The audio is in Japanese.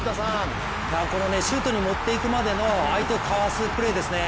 これはシュートに持っていくまでの相手をかわすプレーですね。